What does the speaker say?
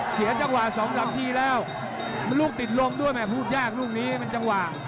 เสียจังหวะสองสามทีแล้วมันลูกติดลมด้วยแม่พูดยากลูกนี้มันจังหวะ